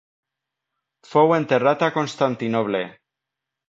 Fou enterrat a Constantinoble.